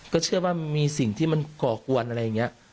ก็เชื่อว่ามีสิ่งที่มันก่อกวนอะไรอย่างนี้